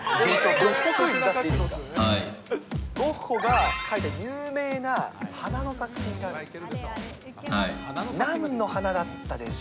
ゴッホが描いた有名な花の作品があるんです。